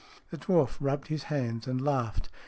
The dwarf rubbed his hands and laughed.